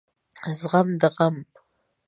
زغم د غم